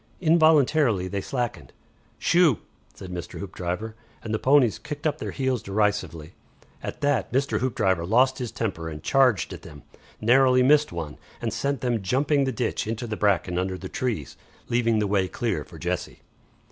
Involuntarily they slackened. "Shoo!" said Mr. Hoopdriver, and the ponies kicked up their heels derisively. At that Mr. Hoopdriver lost his temper and charged at them, narrowly missed one, and sent them jumping the ditch into the bracken under the trees, leaving the way clear for Jessie.